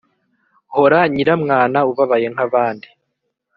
hora nyiramwana ubabaye nk’abandi